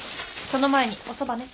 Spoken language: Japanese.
その前におそばね。